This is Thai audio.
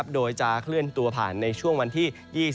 โดยจะเคลื่อนตัวผ่านในช่วงวันที่๒๒